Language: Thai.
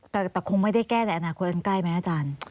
แต่คงไม่ได้แก้ในอนาคตอันใกล้ไหมอาจารย์